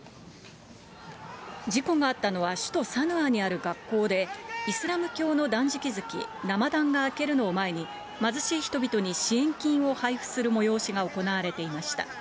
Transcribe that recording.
事故があったのは、首都サヌアにある学校で、イスラム教の断食月・ラマダンが明けるのを前に、貧しい人々に支援金を配布する催しが行われていました。